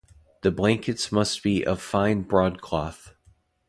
The blankets must be of fine broadcloth.